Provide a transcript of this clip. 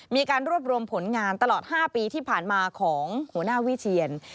มีการรวบรวมผลงานตลอด๕ปีที่ผ่านมาของหัวหน้าวิเชียน